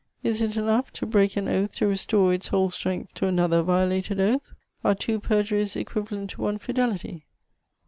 Is it enough to break an oath to restore its whole strength to another violated oath? Are two perjuries equivalent to one fidelity?